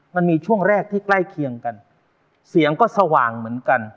มันมีช่วงแรกที่ใกล้เคียงกันเสียงก็สว่างเหมือนกัน